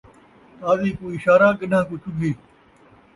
تازی کوں اشارہ، گݙانہہ کو چگھی